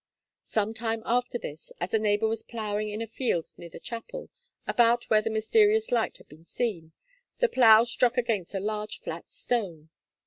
Some time after, as a neighbour was ploughing in a field near the chapel, about where the mysterious light had been seen, the plough struck against a large flat stone.